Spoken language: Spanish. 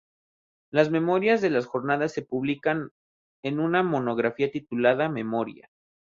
Las memorias de las Jornadas se publican en una monografía titulada "Memorias".